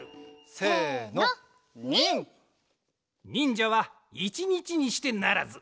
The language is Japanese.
せのニン！にんじゃはいちにちにしてならず。